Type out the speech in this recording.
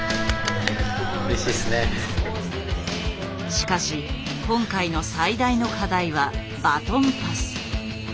しかし今回の最大の課題はバトンパス。